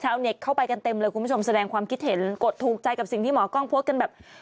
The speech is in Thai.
เน็ตเข้าไปกันเต็มเลยคุณผู้ชมแสดงความคิดเห็นกดถูกใจกับสิ่งที่หมอกล้องโพสต์กันแบบ